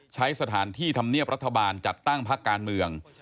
ใช้สถานที่ธรรมเนียบรัฐบาลจัดตั้งพักการเมือง